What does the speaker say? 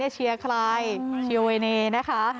เชียร์เวเนนะคะ